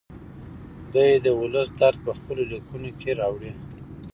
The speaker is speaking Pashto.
دی د ولس درد په خپلو لیکنو کې راوړي.